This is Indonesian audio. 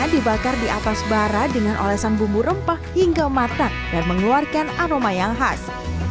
dibakar di atas bara dengan olesan bumbu rempah hingga matang dan mengeluarkan aroma yang khas